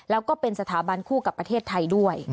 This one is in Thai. แล้วก็เป็นสถาบันคู่กับประเทศไทยด้วย